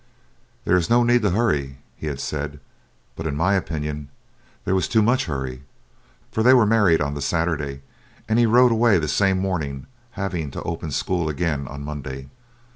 "'There is no need to hurry,' he had said, but in my opinion there was too much hurry, for they were married on the Saturday, and he rode away the same morning having to open school again on Monday.